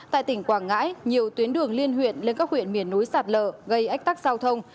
tại tỉnh quảng ngãi nhiều tuyến đường liên huyện lên các huyện miền núi sạt lở gây ách tắc giao thông